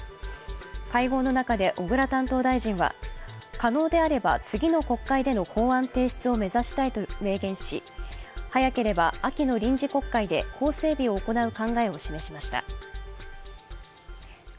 会合の中で小倉担当大臣は可能であれば次の国会での法案提出を目指したいと明言し速ければ秋の臨時国会で法整備を行う考えを示しました。